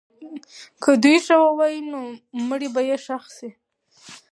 که دوی ښه ووایي، نو مړی به یې ښخ سي.